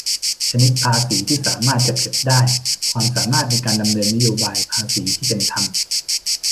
ชนิดภาษีที่สามารถจัดเก็บได้-ความสามารถในการดำเนินนโยบายภาษีที่เป็นธรรม